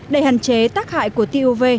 để hạn chế tác hại của tiêu uv